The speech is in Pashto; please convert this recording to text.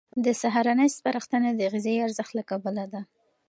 د سهارنۍ سپارښتنه د غذایي ارزښت له کبله ده.